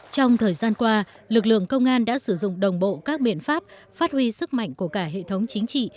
trong thời gian qua lực lượng công an đã sử dụng đồng bộ các biện pháp phát huy sức mạnh của cả hệ thống chính trị